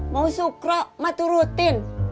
mau sukrok emak turutin